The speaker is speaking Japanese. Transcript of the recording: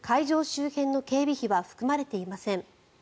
周辺の警備費は含まれていません。